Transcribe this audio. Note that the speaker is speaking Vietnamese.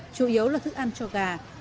chủ yếu là thức ăn cho gà